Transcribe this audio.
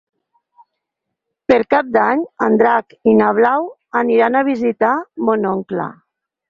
Per Cap d'Any en Drac i na Blau aniran a visitar mon oncle.